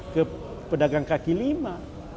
ke pedagang kaki lima